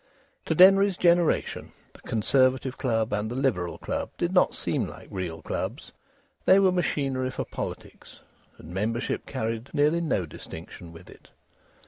To Denry's generation the Conservative Club and the Liberal Club did not seem like real clubs; they were machinery for politics, and membership carried nearly no distinction with it.